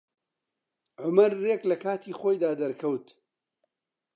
عومەر ڕێک لە کاتی خۆیدا دەرکەوت.